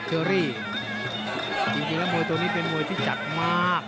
เชอรี่จริงแล้วมวยตัวนี้เป็นมวยที่จัดมาก